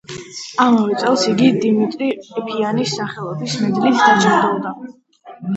ამავე წელს იგი დიმიტრი ყიფიანის სახელობის მედლით დაჯილდოვდა.